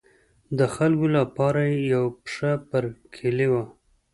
د خلکو لپاره یې یوه پښه پر کلي وه.